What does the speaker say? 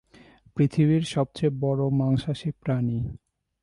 পৃথিবীর সবচেয়ে বড় মাংসাশী প্রাণী।